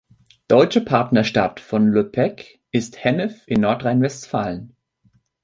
Deutsche Partnerstadt von Le Pecq ist Hennef in Nordrhein-Westfalen.